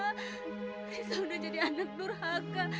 risa udah jadi anak nurhaka